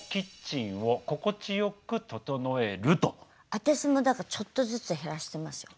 私もだからちょっとずつ減らしてますよ。